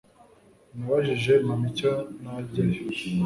Nabajije mama icyo najyayo